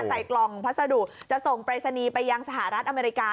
ใส่กล่องพัสดุจะส่งปรายศนีย์ไปยังสหรัฐอเมริกา